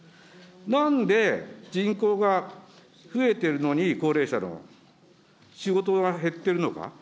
なんで人口が増えてるのに、高齢者の、仕事が減ってるのか。